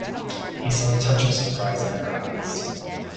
He saw a touch of surprise in her eyes.